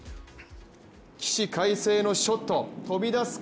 起死回生のショット、飛び出すか。